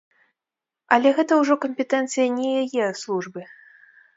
Але гэта ўжо кампетэнцыя не яе службы.